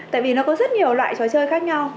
tại vì nó có rất nhiều loại trò chơi khác nhau